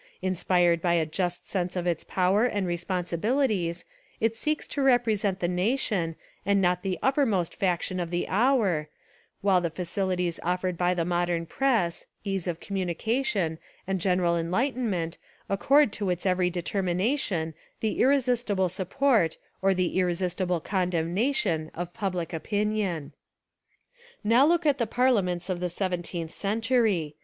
Inspired by a just sense of its power and responsibilities, it seeks to represent the nation and not the uppermost faction of the hour, while the facilities offered by the modern press, ease of communication, and general en lightenment accord to its every determination 295 Essays and Literary Studies the irresistible support or the irresistible con demnation of public opinion. Now look at the parliaments of the seven teenth century.